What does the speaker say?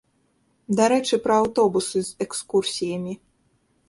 Дарэчы, пра аўтобусы з экскурсіямі.